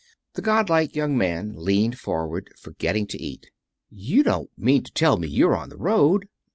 The god like young man leaned forward, forgetting to eat. "You don't mean to tell me you're on the road!"